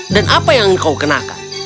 dan apa yang kau kenakan